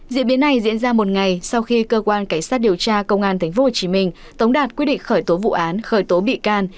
diễn biến này diễn ra một ngày sau khi cơ quan cảnh sát điều tra công an tp hcm tống đạt quyết định khởi tố vụ án khởi tố bị can